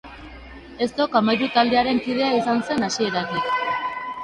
Ez Dok Amairu taldearen kidea izan zen hasieratik.